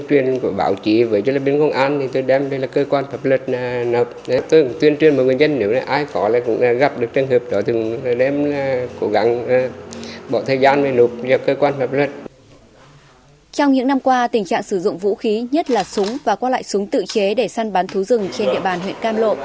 trong những năm qua tình trạng sử dụng vũ khí nhất là súng và qua lại súng tự chế để săn bắn thú rừng trên địa bàn huyện cam lộ